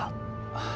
ああ。